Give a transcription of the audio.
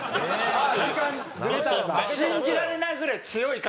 信じられないぐらい強いから。